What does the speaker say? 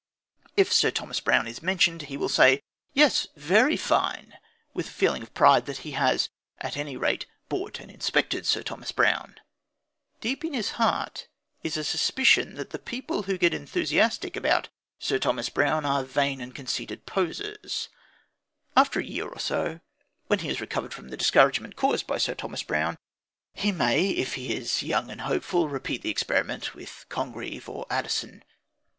If Sir Thomas Browne is mentioned, he will say, "Yes, very fine!" with a feeling of pride that he has at any rate bought and inspected Sir Thomas Browne. Deep in his heart is a suspicion that people who get enthusiastic about Sir Thomas Browne are vain and conceited poseurs. After a year or so, when he has recovered from the discouragement caused by Sir Thomas Browne, he may, if he is young and hopeful, repeat the experiment with Congreve or Addison.